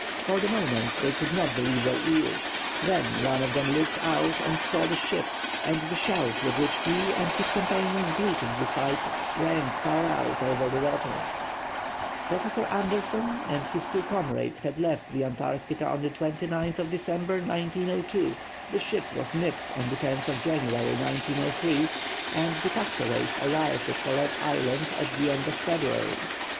For the moment they could not believe their ears. Then one of them looked out and saw the ship, and the shout with which he and his companions greeted the sight rang far out over the water. Professor Andersson and his two comrades had left the Antarctica on December 29, 1902; the ship was nipped on January 10, 1903; and the castaways arrived at Paulet Island at the end of February.